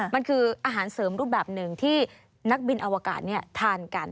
มันคืออาหารเสริมรูปแบบหนึ่งที่นักบินอวกาศทานกัน